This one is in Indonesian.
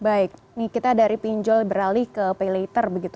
baik nih kita dari pinjol beralih ke paylater begitu